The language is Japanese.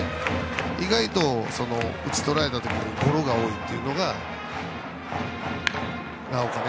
意外と打ち取られた時にゴロが多いというのがラオウかな。